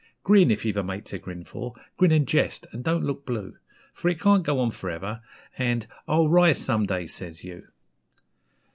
Grin! if you've a mate to grin for, grin and jest and don't look blue; For it can't go on for ever, and 'I'll rise some day,' says you.